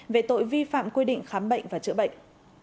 về tội vi phạm quy định khám bệnh và chữa bệnh